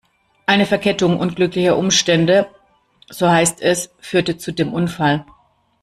Eine Verkettung unglücklicher Umstände, so heißt es, führte zu dem Unfall.